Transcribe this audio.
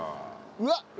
うわっ！